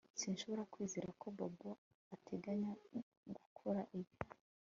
Sinshobora kwizera ko Bobo ateganya gukora ibi